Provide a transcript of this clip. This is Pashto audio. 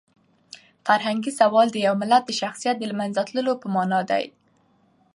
فرهنګي زوال د یو ملت د شخصیت د لمنځه تلو په مانا دی.